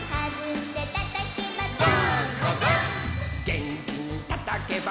「げんきにたたけば」